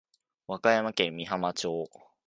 和歌山県美浜町